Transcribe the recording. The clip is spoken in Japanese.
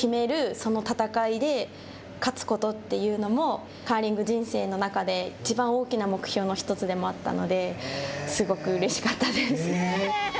その戦いで勝つことっていうのもカーリング人生の中でいちばん大きな目標の１つでもあったのですごくうれしかったです。